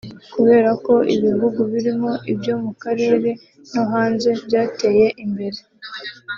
kubera ko ibihugu birimo ibyo mu karere no hanze byateye imbere